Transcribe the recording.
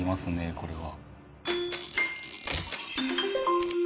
これは。